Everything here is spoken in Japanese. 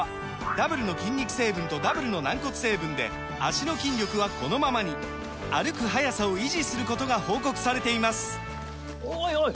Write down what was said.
ダブルの筋肉成分とダブルの軟骨成分で脚の筋力はこのままに歩く速さを維持することが報告されていますおいおい！